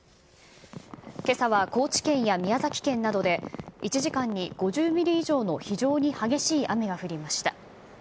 けさは高知県や宮崎県などで１時間に５０ミリ以上の非常に激しい雨が降りました。